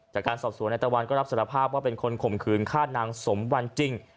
จากการสอบสวนนายตะวันก็รับสารภาพว่าเป็นคนข่มขืนฆ่านางสมวันจริง